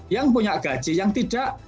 yang punya gaji yang tidak